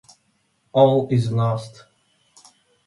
All is lost.